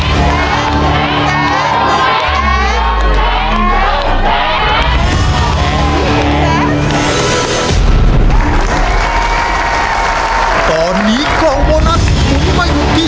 กล่องโบนัสหมายเลขสองนะครับสามพันบาท